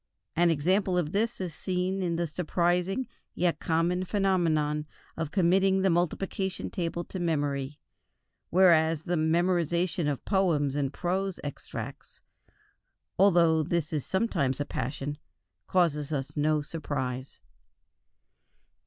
An example of this is seen in the surprising yet common phenomenon of committing the multiplication table to memory, whereas the memorizing of poems and prose extracts, although this is sometimes a passion, causes us no surprise.